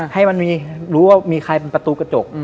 ให้มันรู้ว่ามีใครเป็นประตูกระจก